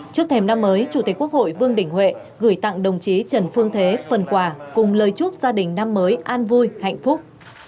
trước thềm năm mới chủ tịch quốc hội vương đình huệ gửi tặng đồng chí trần phương thế phần quà cùng lời chúc gia đình năm mới an vui hạnh phúc